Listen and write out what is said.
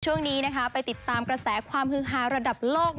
ช่วงนี้ไปติดตามกระแสความฮือฮาระดับโลก